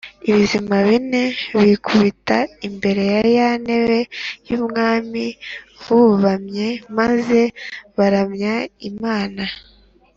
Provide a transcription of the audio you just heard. Bizima bine bikubita imbere ya ya ntebe y ubwami bubamye maze baramya imana